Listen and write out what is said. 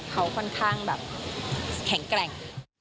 เขาค่อนข้างแบบแข็งแกร่ง